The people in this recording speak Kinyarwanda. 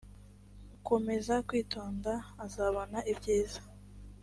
ukomeza kwitonda azabona ibyiza